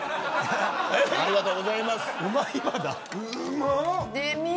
ありがとうございます。